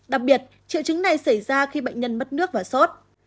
đặc biệt triệu chứng này xảy ra khi bệnh nhân mất nước và sốt